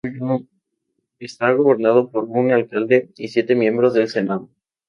Está gobernado por un alcalde y siete miembros del senado.